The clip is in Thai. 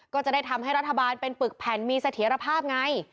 ก็จะได้ทำให้รัฐบาลเป็นปึกแผ่นมีเสถียรภาพไง